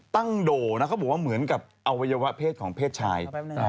ตั้งโดนะก็บอกเหมือนกับอวัยวะเพศของเพศชาย